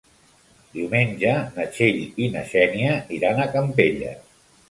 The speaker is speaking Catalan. Diumenge na Txell i na Xènia iran a Campelles.